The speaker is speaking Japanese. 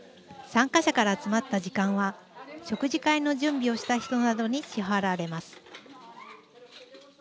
参加者から集まった時間は食事会の準備をした人などに支払われます。